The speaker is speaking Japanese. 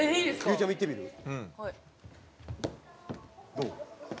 どう？